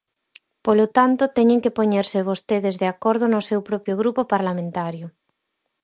Polo tanto, teñen que poñerse vostedes de acordo no seu propio grupo parlamentario.